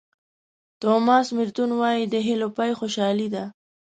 توماس مېرټون وایي د هیلو پای خوشالي ده.